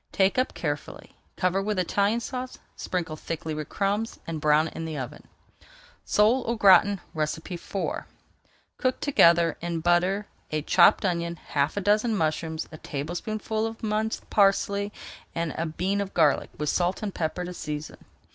Take up carefully, cover with Italian Sauce, sprinkle thickly with crumbs, and brown in the oven. SOLE AU GRATIN IV Cook together in butter a chopped onion, [Page 395] half a dozen mushrooms, a tablespoonful of minced parsley, and a bean of garlic, with salt and pepper to season.